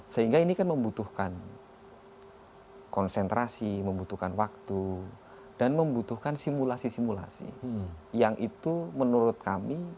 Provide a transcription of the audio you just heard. sehingga ini kan membutuhkan konsentrasi membutuhkan waktu dan membutuhkan simulasi simulasi yang itu menurut kami